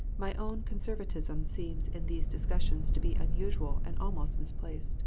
My own conservatism seems in these discussions to be unusual and almost misplaced.